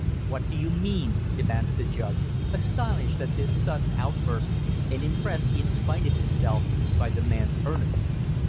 "What do you mean?" demanded the judge, astonished at this sudden outburst, and impressed, in spite of himself, by the man's earnestness.